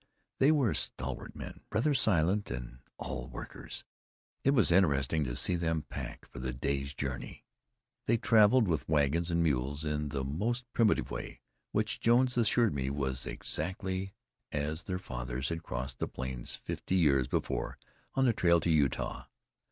They were stalwart men, rather silent, and all workers. It was interesting to see them pack for the day's journey. They traveled with wagons and mules, in the most primitive way, which Jones assured me was exactly as their fathers had crossed the plains fifty years before, on the trail to Utah.